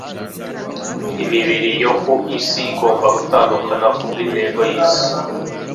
Imibiri yo ku isi igomba gutandukana kubwintego yisi